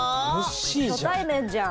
初対面じゃん。